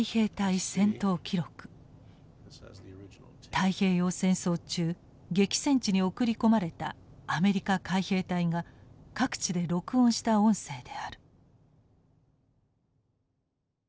太平洋戦争中激戦地に送り込まれたアメリカ海兵隊が各地で録音した音声である。